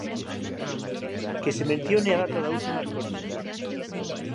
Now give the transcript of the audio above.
Que se mencione a data da última actualización.